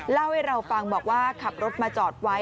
เล่าให้เราฟังบอกว่าขับรถมาจอดไว้